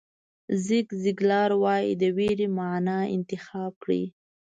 زیګ زیګلار وایي د وېرې معنا انتخاب کړئ.